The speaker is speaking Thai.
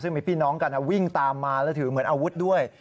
ซึ่งมีพี่น้องกันวิ่งตามมาแล้วถือเหมือนอาวุธด้วย